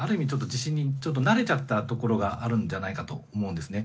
地震に慣れちゃったところがあるんじゃないかと思うんですね。